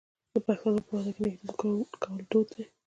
د پښتنو په واده کې نکریزې کول دود دی.